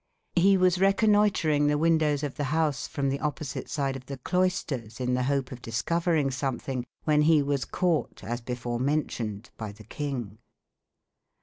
He was reconnoitring the windows of the house from the opposite side of the cloisters in the hope of discovering something, when he was caught, as before mentioned, by the king.